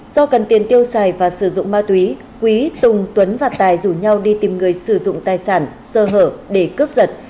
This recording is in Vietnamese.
do cần tiền tiêu xài và sử dụng ma túy quý tùng tuấn và tài rủ nhau đi tìm người sử dụng tài sản sơ hở để cướp giật